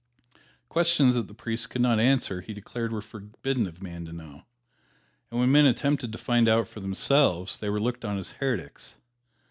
Questions that the priest could not answer he declared were forbidden of man to know; and when men attempted to find out for themselves they were looked upon as heretics.